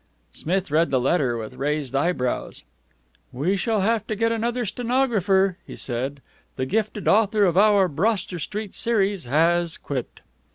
Smith read the letter with raised eyebrows. "We shall have to get another stenographer," he said. "The gifted author of our Broster Street series has quit."